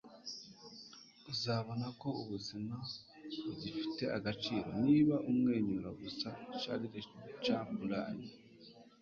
uzabona ko ubuzima bugifite agaciro, niba umwenyuye gusa. - charlie chaplin